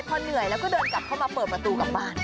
พอเหนื่อยแล้วก็เดินกลับเข้ามาเปิดประตูกลับบ้าน